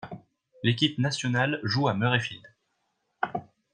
L'équipe nationale joue à Murrayfield.